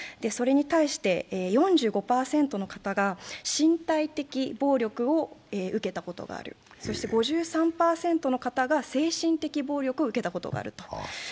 それに対して４５％の方が身体的暴力を受けたことがある、そして５３％の方が精神的暴力を受けたことがあると。